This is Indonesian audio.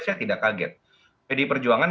saya tidak kaget pdi perjuangan